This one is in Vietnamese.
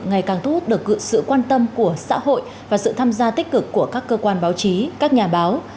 ngày càng thu hút được sự quan tâm của xã hội và sự tham gia tích cực của các cơ quan báo chí các nhà báo